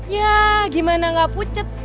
ya gimana gak pucet